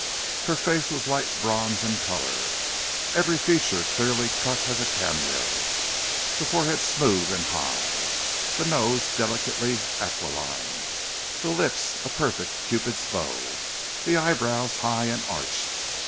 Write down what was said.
Her face was light bronze in colour, every feature clearly cut as a cameo, the forehead smooth and high, the nose delicately aquiline, the lips a perfect cupid's bow, the eyebrows high and arched.